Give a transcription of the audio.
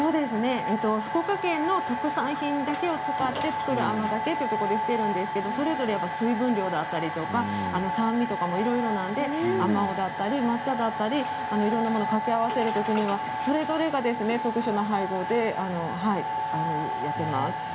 福岡県の特産品だけを使って造る甘酒というところにしているんですけれどそれぞれ水分量だったり酸味とかもいろいろなのであまおおうだったり抹茶だったりいろんなものを掛け合わせるときはそれぞれ特殊な配合でやってます。